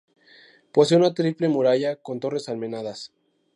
Posee una triple muralla con torres almenadas.